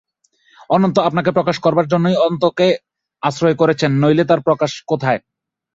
অনন্ত আপনাকে প্রকাশ করবার জন্যই অন্তকে আশ্রয় করেছেন– নইলে তাঁর প্রকাশ কোথায়?